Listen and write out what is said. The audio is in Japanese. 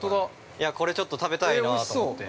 ◆いや、これちょっと食べたいなと思って。